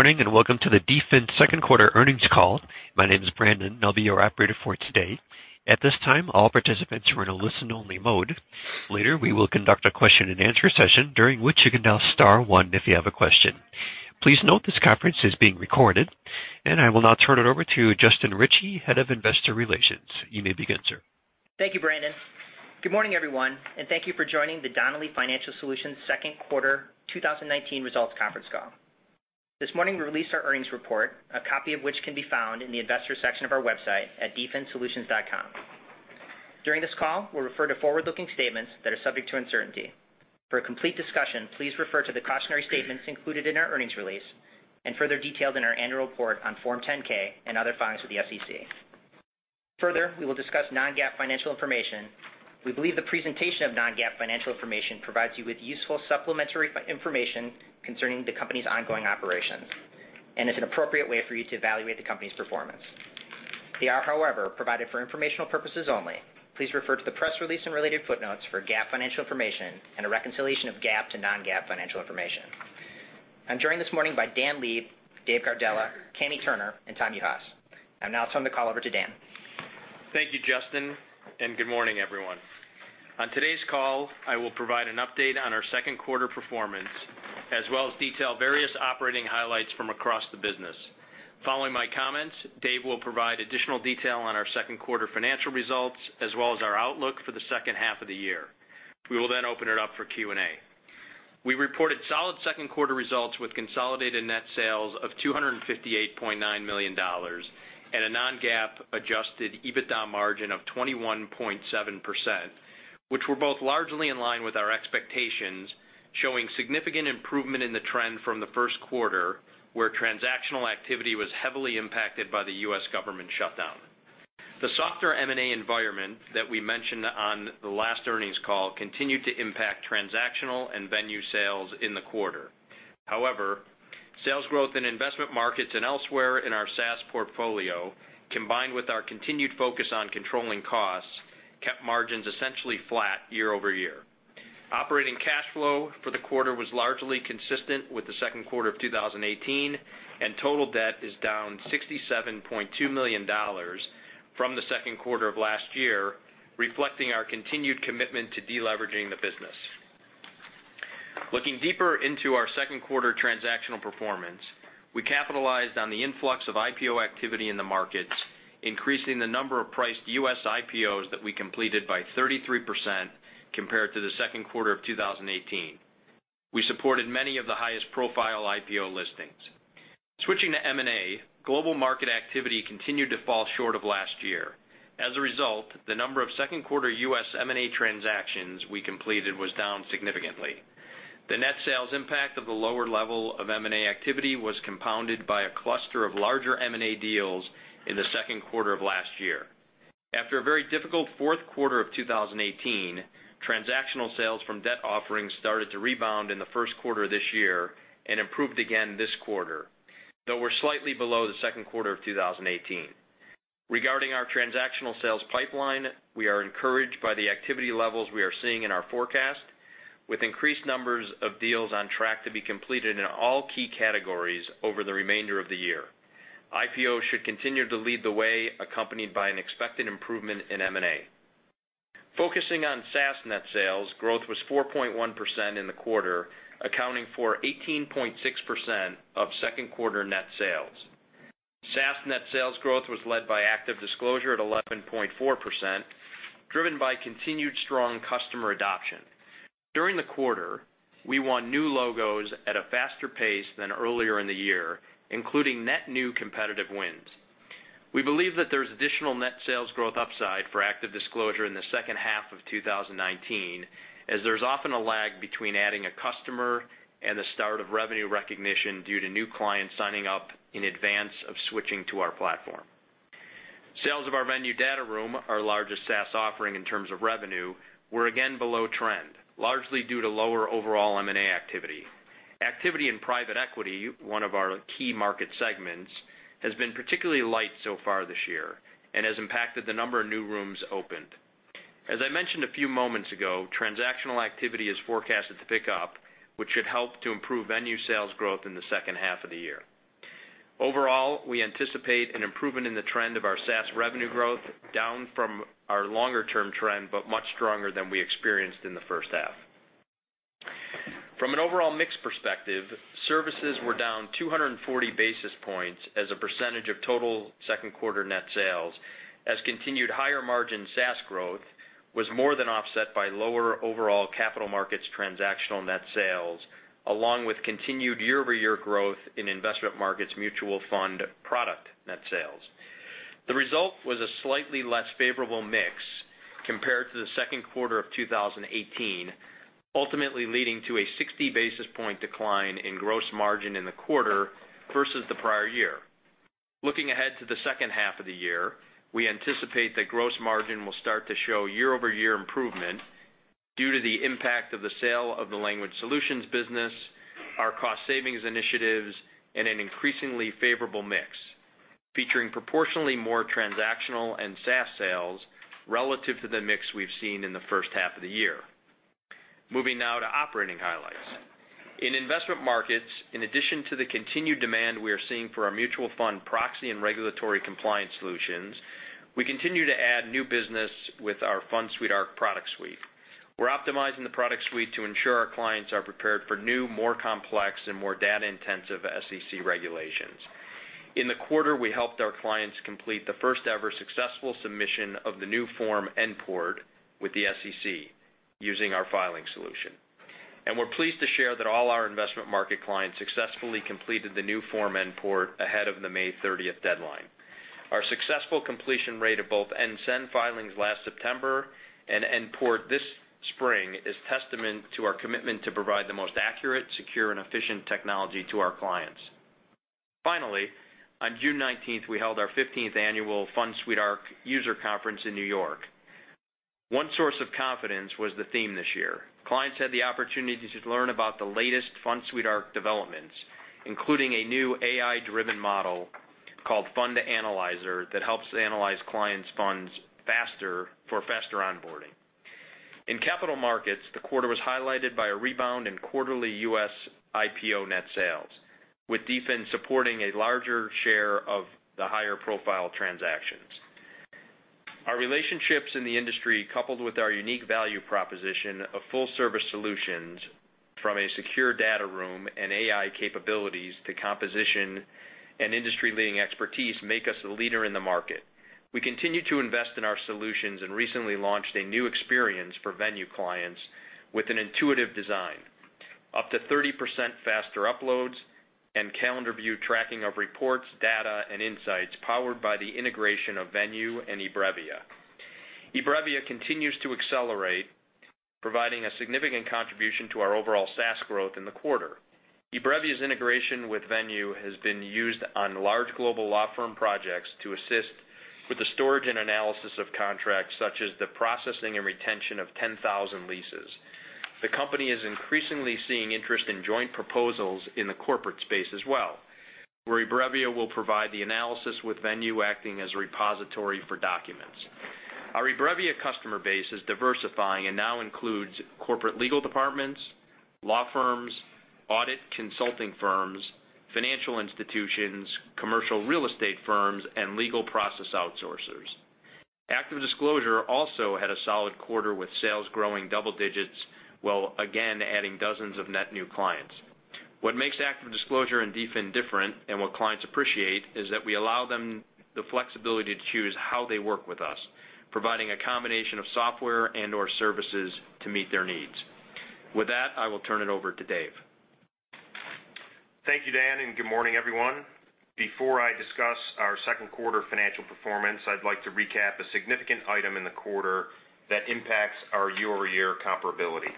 Good morning, welcome to the DFIN second quarter earnings call. My name is Brandon. I'll be your operator for today. At this time, all participants are in a listen-only mode. Later, we will conduct a question and answer session during which you can dial star one if you have a question. Please note this conference is being recorded, and I will now turn it over to Justin Ritchie, Head of Investor Relations. You may begin, sir. Thank you, Brandon. Good morning, everyone, and thank you for joining the Donnelley Financial Solutions second quarter 2019 results conference call. This morning we released our earnings report, a copy of which can be found in the investors section of our website at dfinsolutions.com. During this call, we'll refer to forward-looking statements that are subject to uncertainty. For a complete discussion, please refer to the cautionary statements included in our earnings release and further detailed in our annual report on Form 10-K and other filings with the SEC. Further, we will discuss non-GAAP financial information. We believe the presentation of non-GAAP financial information provides you with useful supplementary information concerning the company's ongoing operations and is an appropriate way for you to evaluate the company's performance. They are, however, provided for informational purposes only. Please refer to the press release and related footnotes for GAAP financial information and a reconciliation of GAAP to non-GAAP financial information. I'm joined this morning by Dan Leib, Dave Gardella, Kami Turner, and Tom Juhase. I'll now turn the call over to Dan. Thank you, Justin. Good morning, everyone. On today's call, I will provide an update on our second quarter performance, as well as detail various operating highlights from across the business. Following my comments, Dave will provide additional detail on our second quarter financial results as well as our outlook for the second half of the year. We will open it up for Q&A. We reported solid second quarter results with consolidated net sales of $258.9 million and a non-GAAP adjusted EBITDA margin of 21.7%, which were both largely in line with our expectations, showing significant improvement in the trend from the first quarter, where transactional activity was heavily impacted by the U.S. government shutdown. The softer M&A environment that we mentioned on the last earnings call continued to impact transactional and Venue sales in the quarter. However, sales growth in investment markets and elsewhere in our SaaS portfolio, combined with our continued focus on controlling costs, kept margins essentially flat year-over-year. Operating cash flow for the quarter was largely consistent with the second quarter of 2018. Total debt is down $67.2 million from the second quarter of last year, reflecting our continued commitment to de-leveraging the business. Looking deeper into our second quarter transactional performance, we capitalized on the influx of IPO activity in the markets, increasing the number of priced U.S. IPOs that we completed by 33% compared to the second quarter of 2018. We supported many of the highest profile IPO listings. Switching to M&A, global market activity continued to fall short of last year. As a result, the number of second quarter U.S. M&A transactions we completed was down significantly. The net sales impact of the lower level of M&A activity was compounded by a cluster of larger M&A deals in the second quarter of last year. After a very difficult fourth quarter of 2018, transactional sales from debt offerings started to rebound in the first quarter of this year and improved again this quarter. Though we're slightly below the second quarter of 2018. Regarding our transactional sales pipeline, we are encouraged by the activity levels we are seeing in our forecast. With increased numbers of deals on track to be completed in all key categories over the remainder of the year. IPOs should continue to lead the way, accompanied by an expected improvement in M&A. Focusing on SaaS net sales, growth was 4.1% in the quarter, accounting for 18.6% of second quarter net sales. SaaS net sales growth was led by ActiveDisclosure at 11.4%, driven by continued strong customer adoption. During the quarter, we won new logos at a faster pace than earlier in the year, including net new competitive wins. We believe that there's additional net sales growth upside for ActiveDisclosure in the second half of 2019, as there's often a lag between adding a customer and the start of revenue recognition due to new clients signing up in advance of switching to our platform. Sales of our Venue data room, our largest SaaS offering in terms of revenue, were again below trend, largely due to lower overall M&A activity. Activity in private equity, one of our key market segments, has been particularly light so far this year and has impacted the number of new rooms opened. As I mentioned a few moments ago, transactional activity is forecasted to pick up, which should help to improve Venue sales growth in the second half of the year. Overall, we anticipate an improvement in the trend of our SaaS revenue growth, down from our longer-term trend, but much stronger than we experienced in the first half. From an overall mix perspective, services were down 240 basis points as a percentage of total second quarter net sales, as continued higher margin SaaS growth was more than offset by lower overall capital markets transactional net sales, along with continued year-over-year growth in investment markets mutual fund product net sales. The result was a slightly less favorable mix compared to the second quarter of 2018, ultimately leading to a 60-basis point decline in gross margin in the quarter versus the prior year. Looking ahead to the second half of the year, we anticipate that gross margin will start to show year-over-year improvement due to the impact of the sale of the Language Solutions business, our cost savings initiatives, and an increasingly favorable mix featuring proportionally more transactional and SaaS sales relative to the mix we've seen in the first half of the year. Moving now to operating highlights. In investment markets, in addition to the continued demand we are seeing for our mutual fund proxy and regulatory compliance solutions, we continue to add new business with our Arc Suite product suite. We're optimizing the product suite to ensure our clients are prepared for new, more complex and more data-intensive SEC regulations. In the quarter, we helped our clients complete the first ever successful submission of the new Form N-PORT with the SEC using our filing solution. We're pleased to share that all our investment market clients successfully completed the new Form N-PORT ahead of the May 30th deadline. Our successful completion rate of both Form N-CEN filings last September and Form N-PORT this spring is testament to our commitment to provide the most accurate, secure, and efficient technology to our clients. Finally, on June 19th, we held our 15th annual FundSuite Arc user conference in New York. One source of confidence was the theme this year. Clients had the opportunity to learn about the latest FundSuite Arc developments, including a new AI-driven model called Fund Analyzer that helps analyze clients' funds faster for faster onboarding. In capital markets, the quarter was highlighted by a rebound in quarterly U.S. IPO net sales, with DFIN supporting a larger share of the higher profile transactions. Our relationships in the industry, coupled with our unique value proposition of full service solutions from a secure data room and AI capabilities to composition and industry leading expertise, make us a leader in the market. We continue to invest in our solutions and recently launched a new experience for Venue clients with an intuitive design, up to 30% faster uploads, and calendar view tracking of reports, data, and insights powered by the integration of Venue and eBrevia. eBrevia continues to accelerate, providing a significant contribution to our overall SaaS growth in the quarter. eBrevia's integration with Venue has been used on large global law firm projects to assist with the storage and analysis of contracts such as the processing and retention of 10,000 leases. The company is increasingly seeing interest in joint proposals in the corporate space as well, where eBrevia will provide the analysis with Venue acting as a repository for documents. Our eBrevia customer base is diversifying and now includes corporate legal departments, law firms, audit consulting firms, financial institutions, commercial real estate firms, and legal process outsourcers. ActiveDisclosure also had a solid quarter, with sales growing double digits, while again adding dozens of net new clients. What makes ActiveDisclosure and DFIN different, and what clients appreciate, is that we allow them the flexibility to choose how they work with us, providing a combination of software and/or services to meet their needs. With that, I will turn it over to Dave. Thank you, Dan, and good morning, everyone. Before I discuss our second quarter financial performance, I'd like to recap a significant item in the quarter that impacts our year-over-year comparability.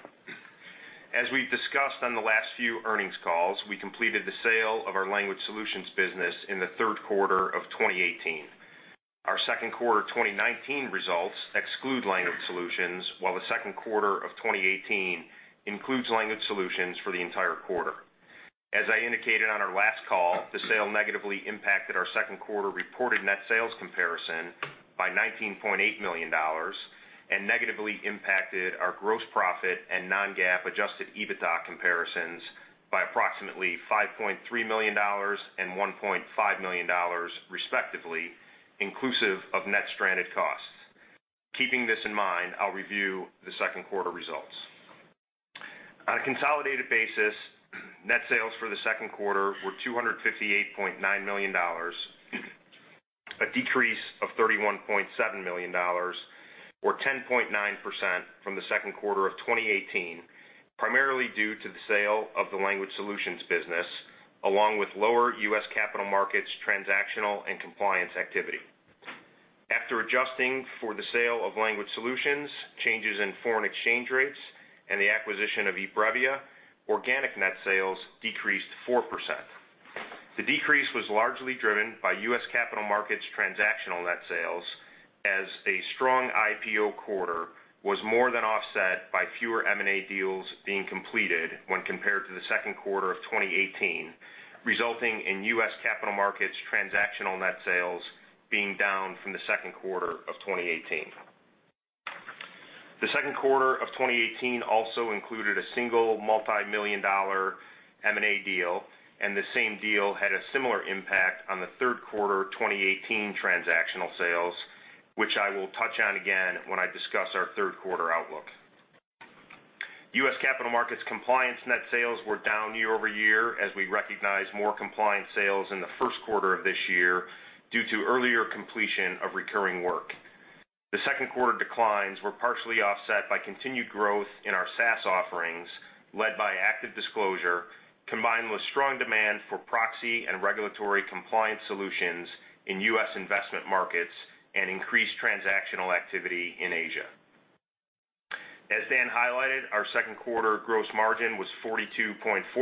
As we've discussed on the last few earnings calls, we completed the sale of our Language Solutions business in the third quarter of 2018. Our second quarter 2019 results exclude Language Solutions, while the second quarter of 2018 includes Language Solutions for the entire quarter. As I indicated on our last call, the sale negatively impacted our second quarter reported net sales comparison by $19.8 million, and negatively impacted our gross profit and non-GAAP adjusted EBITDA comparisons by approximately $5.3 million and $1.5 million, respectively, inclusive of net stranded costs. Keeping this in mind, I'll review the second quarter results. On a consolidated basis, net sales for the second quarter were $258.9 million, a decrease of $31.7 million, or 10.9% from the second quarter of 2018, primarily due to the sale of the Language Solutions business, along with lower U.S. capital markets transactional and compliance activity. After adjusting for the sale of Language Solutions, changes in foreign exchange rates, and the acquisition of eBrevia, organic net sales decreased 4%. The decrease was largely driven by U.S. capital markets transactional net sales, as a strong IPO quarter was more than offset by fewer M&A deals being completed when compared to the second quarter of 2018, resulting in U.S. capital markets transactional net sales being down from the second quarter of 2018. The second quarter of 2018 also included a single multimillion-dollar M&A deal. The same deal had a similar impact on the third quarter 2018 transactional sales, which I will touch on again when I discuss our third quarter outlook. U.S. capital markets compliance net sales were down year-over-year as we recognized more compliance sales in the first quarter of this year due to earlier completion of recurring work. The second quarter declines were partially offset by continued growth in our SaaS offerings, led by ActiveDisclosure, combined with strong demand for proxy and regulatory compliance solutions in U.S. investment markets and increased transactional activity in Asia. As Dan highlighted, our second quarter gross margin was 42.4%,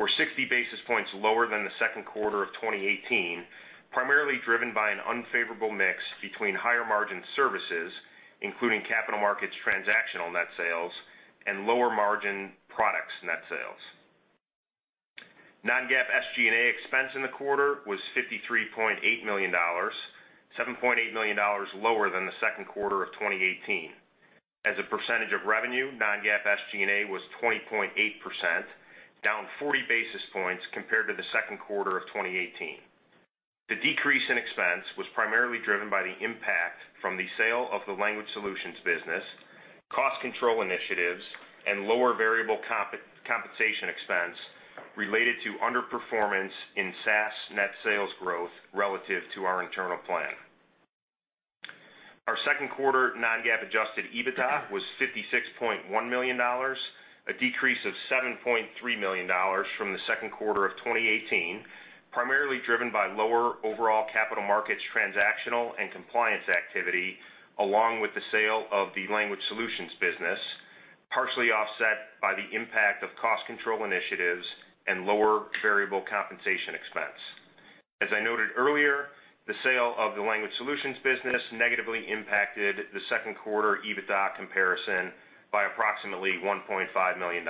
or 60 basis points lower than the second quarter of 2018, primarily driven by an unfavorable mix between higher margin services, including capital markets transactional net sales, and lower margin products net sales. Non-GAAP SG&A expense in the quarter was $53.8 million, $7.8 million lower than the second quarter of 2018. As a percentage of revenue, non-GAAP SG&A was 20.8%, down 40 basis points compared to the second quarter of 2018. The decrease in expense was primarily driven by the impact from the sale of the Language Solutions business, cost control initiatives, and lower variable compensation expense related to underperformance in SaaS net sales growth relative to our internal plan. Our second quarter non-GAAP adjusted EBITDA was $56.1 million, a decrease of $7.3 million from the second quarter of 2018, primarily driven by lower overall capital markets transactional and compliance activity, along with the sale of the Language Solutions business, partially offset by the impact of cost control initiatives and lower variable compensation expense. As I noted earlier, the sale of the Language Solutions business negatively impacted the second quarter EBITDA comparison by approximately $1.5 million.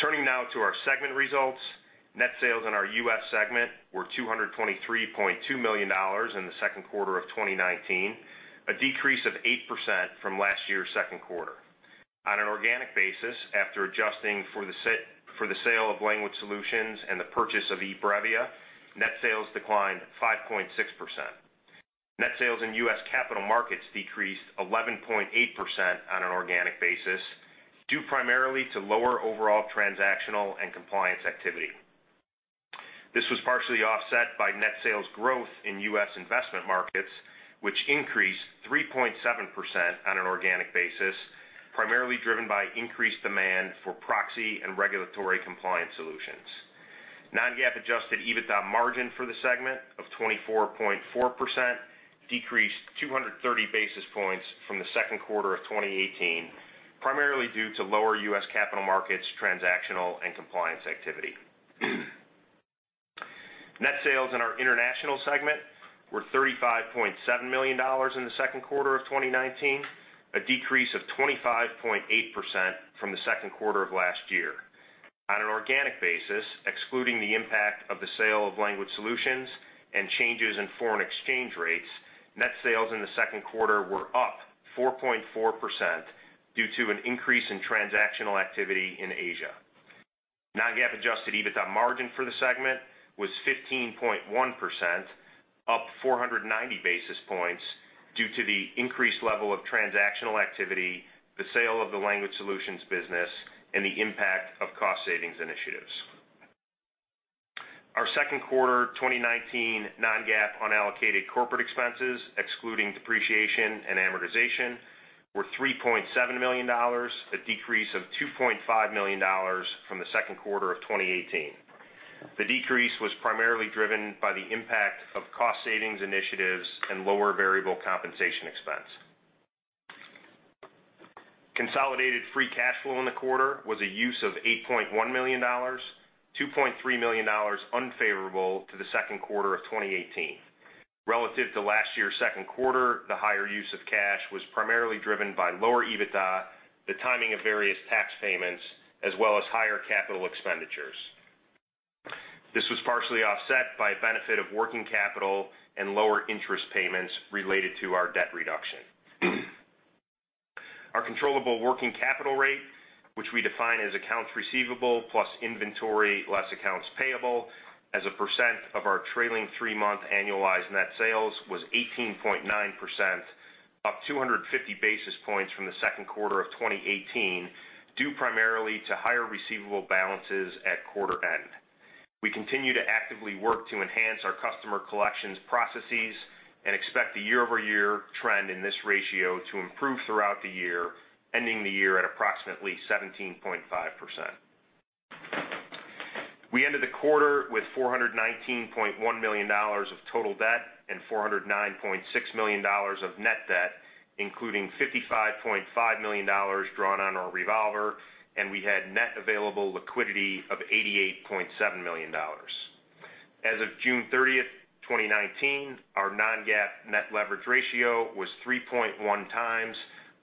Turning now to our segment results. Net sales in our U.S. segment were $223.2 million in the second quarter of 2019, a decrease of 8% from last year's second quarter. On an organic basis, after adjusting for the sale of Language Solutions and the purchase of eBrevia, net sales declined 5.6%. Net sales in U.S. capital markets decreased 11.8% on an organic basis, due primarily to lower overall transactional and compliance activity. This was partially offset by net sales growth in U.S. investment markets, which increased 3.7% on an organic basis, primarily driven by increased demand for proxy and regulatory compliance solutions. Non-GAAP adjusted EBITDA margin for the segment of 24.4% decreased 230 basis points from the second quarter of 2018, primarily due to lower U.S. capital markets transactional and compliance activity. Net sales in our international segment were $35.7 million in the second quarter of 2019, a decrease of 25.8% from the second quarter of last year. On an organic basis, excluding the impact of the sale of Language Solutions and changes in foreign exchange rates, net sales in the second quarter were up 4.4% due to an increase in transactional activity in Asia. Non-GAAP adjusted EBITDA margin for the segment was 15.1%, up 490 basis points due to the increased level of transactional activity, the sale of the Language Solutions business, and the impact of cost savings initiatives. Our second quarter 2019 non-GAAP unallocated corporate expenses, excluding depreciation and amortization, were $3.7 million, a decrease of $2.5 million from the second quarter of 2018. The decrease was primarily driven by the impact of cost savings initiatives and lower variable compensation expense. Consolidated free cash flow in the quarter was a use of $8.1 million, $2.3 million unfavorable to the second quarter of 2018. Relative to last year's second quarter, the higher use of cash was primarily driven by lower EBITDA, the timing of various tax payments, as well as higher capital expenditures. This was partially offset by a benefit of working capital and lower interest payments related to our debt reduction. Our controllable working capital rate, which we define as accounts receivable plus inventory, less accounts payable as a % of our trailing three-month annualized net sales was 18.9%, up 250 basis points from the second quarter of 2018, due primarily to higher receivable balances at quarter end. We continue to actively work to enhance our customer collections processes and expect the year-over-year trend in this ratio to improve throughout the year, ending the year at approximately 17.5%. We ended the quarter with $419.1 million of total debt and $409.6 million of net debt, including $55.5 million drawn on our revolver, and we had net available liquidity of $88.7 million. As of June 30th, 2019, our non-GAAP net leverage ratio was 3.1 times,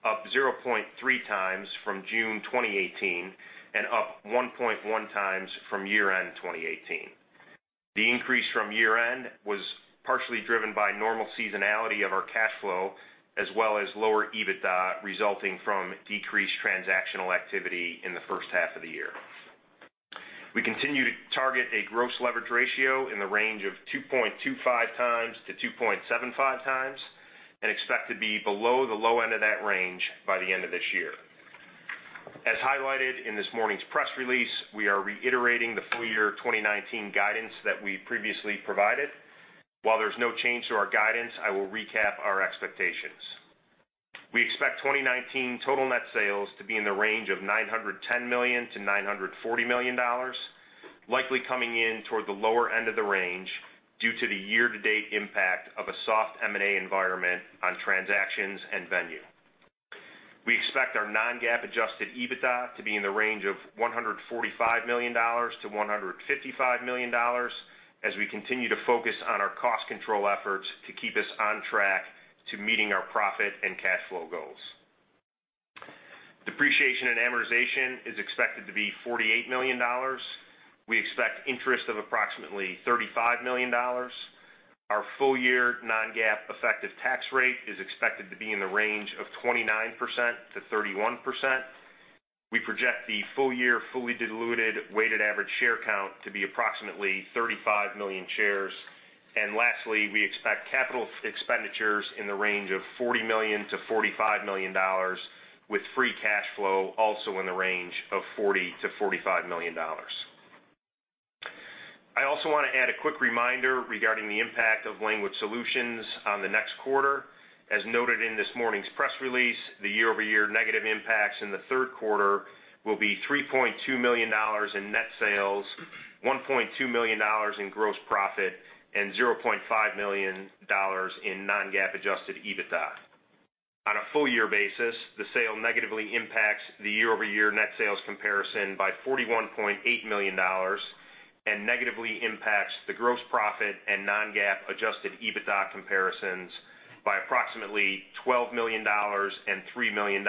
up 0.3 times from June 2018 and up 1.1 times from year-end 2018. The increase from year-end was partially driven by normal seasonality of our cash flow, as well as lower EBITDA resulting from decreased transactional activity in the first half of the year. We continue to target a gross leverage ratio in the range of 2.25 times-2.75 times and expect to be below the low end of that range by the end of this year. As highlighted in this morning's press release, we are reiterating the full year 2019 guidance that we previously provided. While there's no change to our guidance, I will recap our expectations. We expect 2019 total net sales to be in the range of $910 million-$940 million, likely coming in toward the lower end of the range due to the year-to-date impact of a soft M&A environment on transactions and Venue. We expect our non-GAAP adjusted EBITDA to be in the range of $145 million-$155 million as we continue to focus on our cost control efforts to keep us on track to meeting our profit and cash flow goals. Depreciation and amortization is expected to be $48 million. We expect interest of approximately $35 million. Our full year non-GAAP effective tax rate is expected to be in the range of 29%-31%. We project the full year, fully diluted, weighted average share count to be approximately 35 million shares. Lastly, we expect capital expenditures in the range of $40 million-$45 million, with free cash flow also in the range of $40 million-$45 million. I also want to add a quick reminder regarding the impact of Language Solutions on the next quarter. As noted in this morning's press release, the year-over-year negative impacts in the third quarter will be $3.2 million in net sales, $1.2 million in gross profit, and $0.5 million in non-GAAP adjusted EBITDA. On a full year basis, the sale negatively impacts the year-over-year net sales comparison by $41.8 million, and negatively impacts the gross profit and non-GAAP adjusted EBITDA comparisons by approximately $12 million and $3 million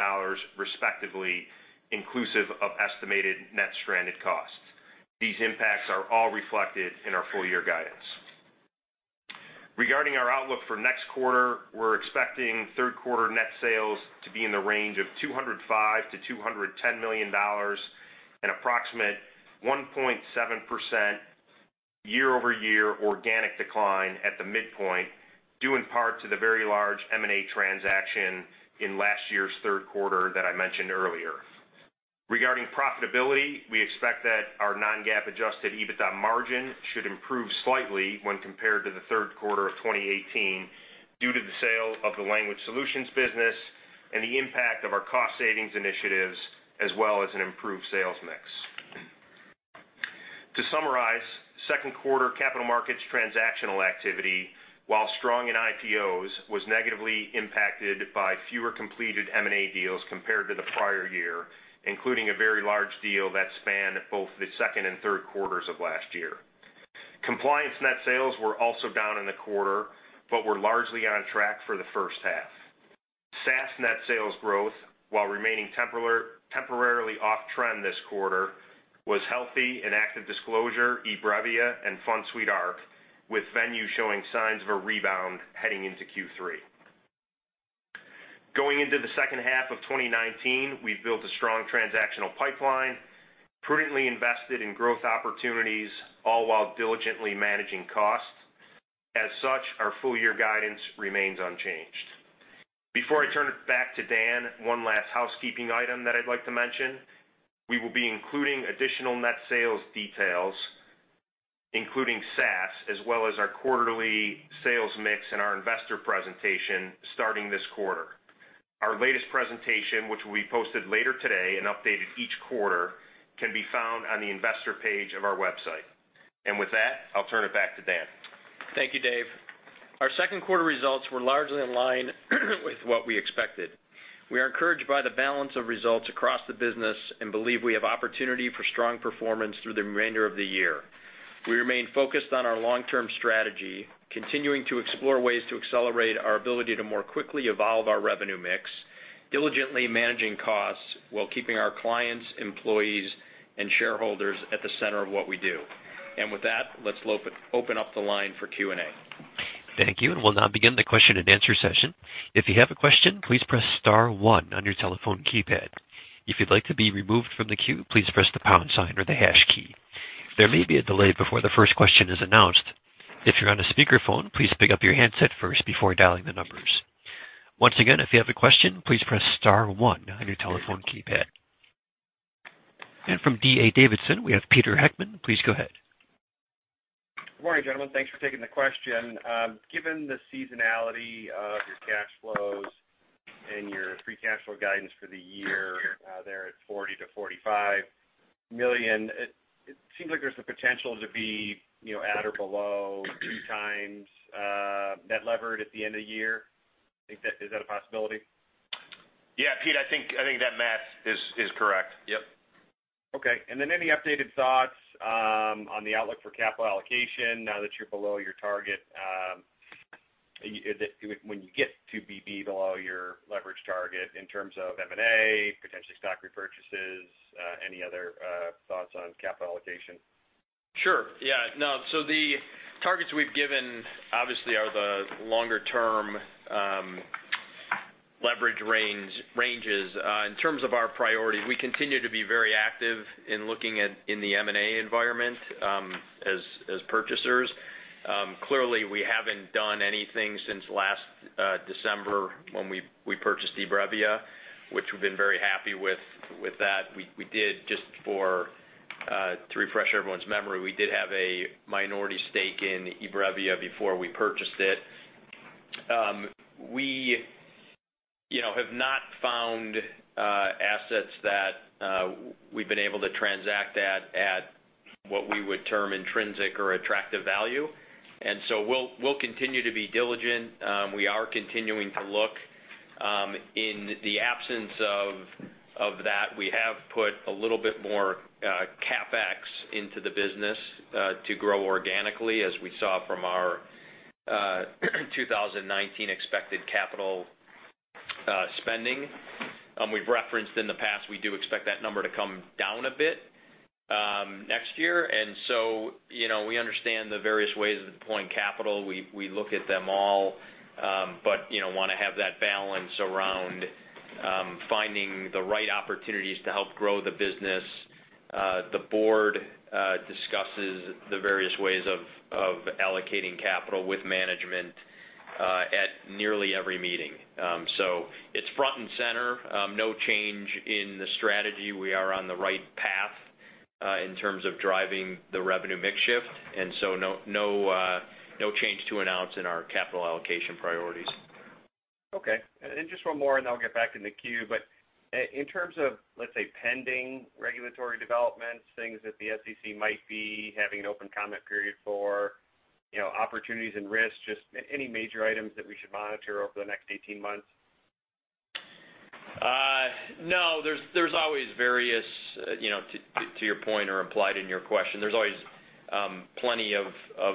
respectively, inclusive of estimated net stranded costs. These impacts are all reflected in our full year guidance. Regarding our outlook for next quarter, we're expecting third quarter net sales to be in the range of $205 million-$210 million, an approximate 1.7% year-over-year organic decline at the midpoint, due in part to the very large M&A transaction in last year's third quarter that I mentioned earlier. Regarding profitability, we expect that our non-GAAP adjusted EBITDA margin should improve slightly when compared to the third quarter of 2018 due to the sale of the Language Solutions business and the impact of our cost savings initiatives, as well as an improved sales mix. To summarize, second quarter capital markets transactional activity, while strong in IPOs, was negatively impacted by fewer completed M&A deals compared to the prior year, including a very large deal that spanned both the second and third quarters of last year. Compliance net sales were also down in the quarter, but were largely on track for the first half. SaaS net sales growth, while remaining temporarily off trend this quarter, was healthy in ActiveDisclosure, eBrevia, and FundSuite Arc, with Venue showing signs of a rebound heading into Q3. Going into the second half of 2019, we've built a strong transactional pipeline, prudently invested in growth opportunities, all while diligently managing costs. As such, our full year guidance remains unchanged. Before I turn it back to Dan, one last housekeeping item that I'd like to mention. We will be including additional net sales details, including SaaS, as well as our quarterly sales mix in our investor presentation starting this quarter. Our latest presentation, which will be posted later today and updated each quarter, can be found on the investor page of our website. With that, I'll turn it back to Dan. Thank you, Dave. Our second quarter results were largely in line with what we expected. We are encouraged by the balance of results across the business and believe we have opportunity for strong performance through the remainder of the year. We remain focused on our long-term strategy, continuing to explore ways to accelerate our ability to more quickly evolve our revenue mix, diligently managing costs while keeping our clients, employees, and shareholders at the center of what we do. With that, let's open up the line for Q&A. Thank you. We'll now begin the question and answer session. If you have a question, please press *1 on your telephone keypad. If you'd like to be removed from the queue, please press the pound sign or the hash key. There may be a delay before the first question is announced. If you're on a speakerphone, please pick up your handset first before dialing the numbers. Once again, if you have a question, please press *1 on your telephone keypad. From D.A. Davidson, we have Peter Heckmann. Please go ahead. Good morning, gentlemen. Thanks for taking the question. Given the seasonality of your cash flows and your free cash flow guidance for the year there at $40 million-$45 million, it seems like there's the potential to be at or below two times net levered at the end of the year. Is that a possibility? Yeah, Pete, I think that math is correct. Yep. Okay. Any updated thoughts on the outlook for capital allocation now that you're below your target? When you get to be below your leverage target in terms of M&A, potentially stock repurchases, any other thoughts on capital allocation? Sure. Yeah. The targets we've given, obviously, are the longer-term leverage ranges. In terms of our priority, we continue to be very active in looking in the M&A environment as purchasers. Clearly, we haven't done anything since last December when we purchased eBrevia, which we've been very happy with that. To refresh everyone's memory, we did have a minority stake in eBrevia before we purchased it. We have not found assets that we've been able to transact at what we would term intrinsic or attractive value. We'll continue to be diligent. We are continuing to look. In the absence of that, we have put a little bit more CapEx into the business to grow organically, as we saw from our 2019 expected capital spending. We've referenced in the past, we do expect that number to come down a bit next year. We understand the various ways of deploying capital. We look at them all. We want to have that balance around finding the right opportunities to help grow the business. The board discusses the various ways of allocating capital with management at nearly every meeting. It's front and center. No change in the strategy. We are on the right path in terms of driving the revenue mix shift, no change to announce in our capital allocation priorities. Okay. Just one more, and then I'll get back in the queue, but in terms of, let's say, pending regulatory developments, things that the SEC might be having an open comment period for, opportunities and risks, just any major items that we should monitor over the next 18 months? No. To your point or implied in your question, there's always plenty of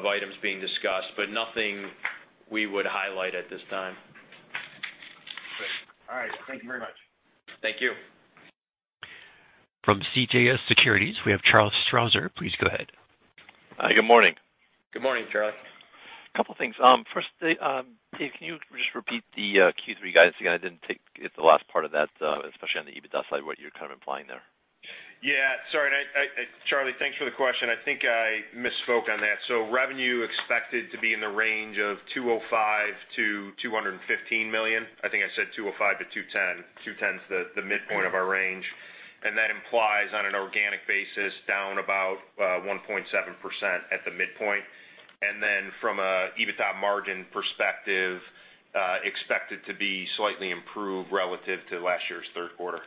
items being discussed, but nothing we would highlight at this time. Great. All right. Thank you very much. Thank you. From CJS Securities, we have Charles Strauzer. Please go ahead. Hi, good morning. Good morning, Charlie. A couple things. First, Dave, can you just repeat the Q3 guidance again? I didn't get the last part of that, especially on the EBITDA side, what you're kind of implying there. Yeah. Sorry. Charlie, thanks for the question. I think I misspoke on that. Revenue expected to be in the range of $205 million-$215 million. I think I said $205-$210. $210 is the midpoint of our range. That implies, on an organic basis, down about 1.7% at the midpoint. From an EBITDA margin perspective, expected to be slightly improved relative to last year's third quarter.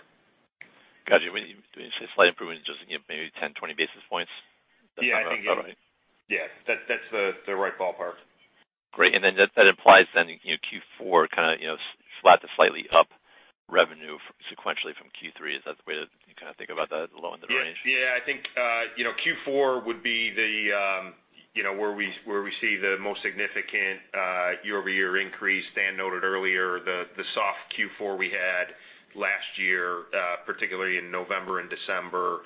Got you. When you say slightly improved, it's just maybe 10, 20 basis points? Yeah. Is that about right? Yeah. That's the right ballpark. Great. Then that implies then Q4 kind of flat to slightly up revenue sequentially from Q3. Is that the way that you kind of think about that, low end of the range? Yeah. I think Q4 would be where we see the most significant year-over-year increase. Dan noted earlier the soft Q4 we had last year, particularly in November and December,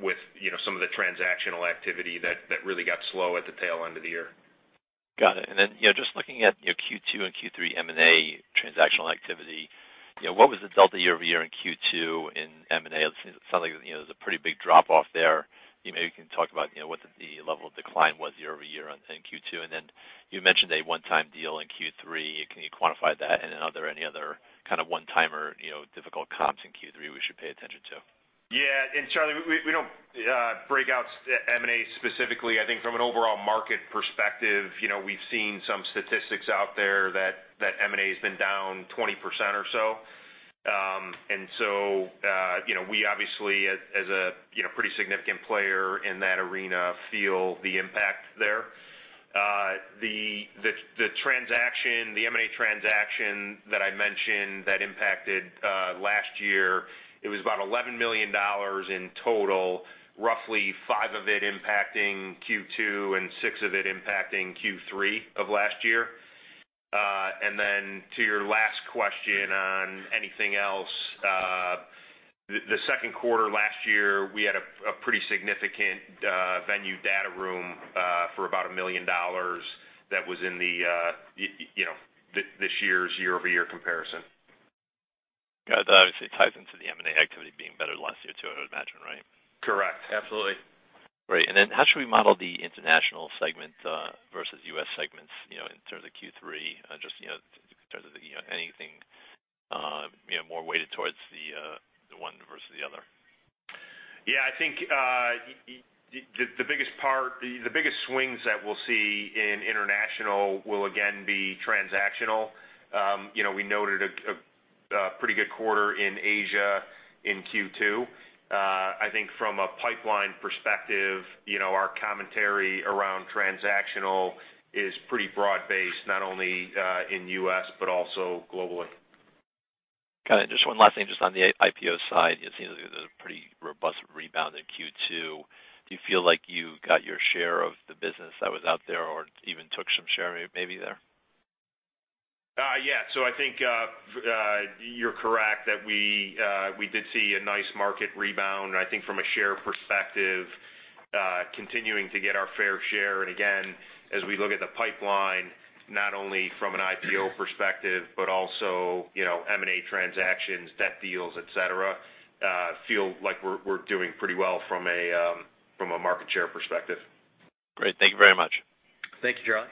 with some of the transactional activity that really got slow at the tail end of the year. Got it. Just looking at Q2 and Q3 M&A transactional activity, what was the delta year-over-year in Q2 in M&A? It sounds like there's a pretty big drop-off there. Maybe you can talk about what the level of decline was year-over-year in Q2. You mentioned a one-time deal in Q3. Can you quantify that? Are there any other kind of one-timer difficult comps in Q3 we should pay attention to? Yeah. Charlie, we don't break out M&A specifically. I think from an overall market perspective, we've seen some statistics out there that M&A has been down 20% or so. We obviously as a pretty significant player in that arena, feel the impact there. The M&A transaction that I mentioned that impacted last year, it was about $11 million in total, roughly 5 of it impacting Q2 and 6 of it impacting Q3 of last year. To your last question on anything else, the second quarter last year, we had a pretty significant Venue data room, for about $1 million that was in this year's year-over-year comparison. Got it. That obviously ties into the M&A activity being better last year, too, I would imagine, right? Correct. Absolutely. Great. How should we model the international segment versus U.S. segments in terms of Q3? Just in terms of anything more weighted towards the one versus the other? Yeah, I think the biggest swings that we'll see in international will again be transactional. We noted a pretty good quarter in Asia in Q2. I think from a pipeline perspective, our commentary around transactional is pretty broad-based, not only in U.S., but also globally. Got it. Just one last thing, just on the IPO side. It seems like there's a pretty robust rebound in Q2. Do you feel like you got your share of the business that was out there or even took some share maybe there? Yeah. I think you're correct that we did see a nice market rebound. I think from a share perspective, continuing to get our fair share. Again, as we look at the pipeline, not only from an IPO perspective, but also M&A transactions, debt deals, et cetera, feel like we're doing pretty well from a market share perspective. Great. Thank you very much. Thank you, Charlie.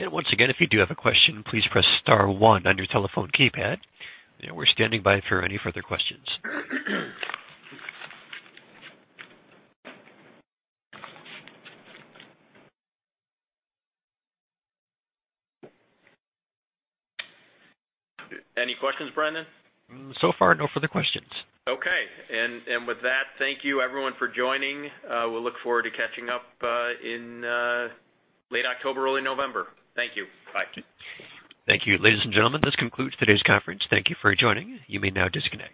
Once again, if you do have a question, please press star one on your telephone keypad. We're standing by for any further questions. Any questions, Brandon? So far, no further questions. Okay. With that, thank you everyone for joining. We'll look forward to catching up in late October, early November. Thank you. Bye. Thank you. Ladies and gentlemen, this concludes today's conference. Thank you for joining. You may now disconnect.